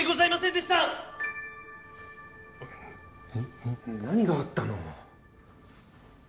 ん？何があったの。